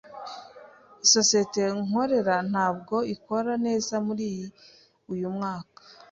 Isosiyete nkorera ntabwo ikora neza muri uyu mwaka.